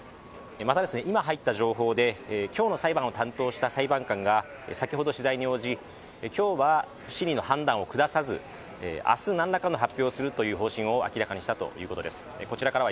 また、今入った情報で今日の裁判を担当した裁判官が先ほど取材に応じ、今日は司法の判断を下さず、明日何らかの発表をする方針を明らかにしたということです。